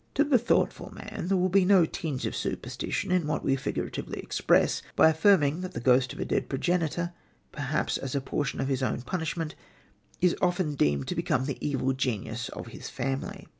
"To the thoughtful man there will be no tinge of superstition in what we figuratively express, by affirming that the ghost of a dead progenitor perhaps as a portion of his own punishment is often doomed to become the Evil Genius of his family."